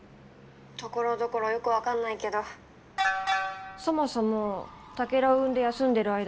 ところどころよく分かんないけどそもそもタケルを産んで休んでる間もお給金が出たんだろ？